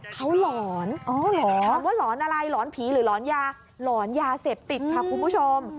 เค้าหล่อนหล่อนอะไรหล่อนหญิงหรือหล่อนยาแล้วหล่อนหญิงอย่างเซ็บติดค่ะคุณผู้ชม